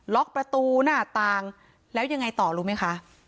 ล็อกประตูหน้าต่างแล้วยังไงต่อรู้ไหมคะ